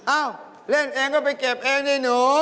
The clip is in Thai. อ้าวเล่นเองก็ไปเก็บเองด้วยหนู